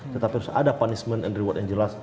tetapi harus ada punishment and reward yang jelas